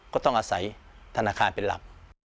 ก็ต้องอาศัยธนาคารเป็นหลัก